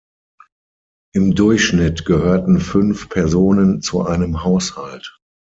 Im Durchschnitt gehörten fünf Personen zu einem Haushalt.